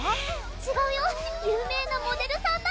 ちがうよ有名なモデルさんだ